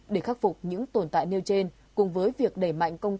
để khắc phục những tồn tại nêu trên cùng với việc đẩy mạnh công an huyện thông nhất